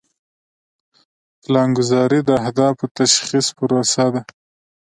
پلانګذاري د اهدافو د تشخیص پروسه ده.